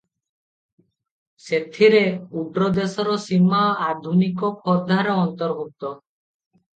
ସେଥିରେ ଓଡ଼୍ରଦେଶର ସୀମା ଆଧୁନିକ ଖୋର୍ଦ୍ଧାର ଅନ୍ତର୍ଭୂତ ।